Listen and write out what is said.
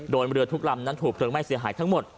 โดยเรือทุกลำนั้นถูกเพลิงไหม้เสียหายทั้งหมด